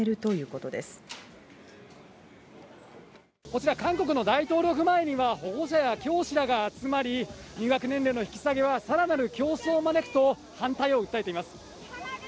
こちら韓国の大統領府前には、保護者や教師らが集まり、入学年齢の引き下げは、さらなる競争を招くと反対を訴えています。